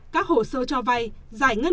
các hồ sơ cho vay giải ngân